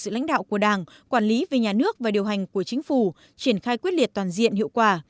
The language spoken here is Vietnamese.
sự lãnh đạo của đảng quản lý về nhà nước và điều hành của chính phủ triển khai quyết liệt toàn diện hiệu quả